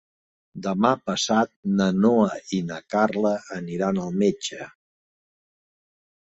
Demà passat na Noa i na Carla aniran al metge.